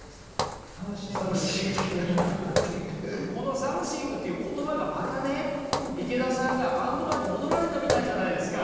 この「サムシング」って言葉がまたね池田さんがバンドマンに戻られたみたいじゃないですか。